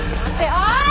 おい！